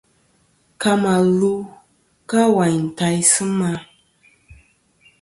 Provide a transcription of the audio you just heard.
Ka mà lu ka wàyn taysɨ ma.